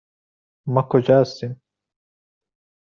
ما کجا هستیم؟